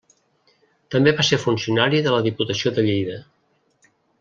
També va ser funcionari de la Diputació de Lleida.